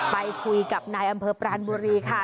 ไปคุยกับเมื่อว่ามีอำเภอปรานบุรีค่ะ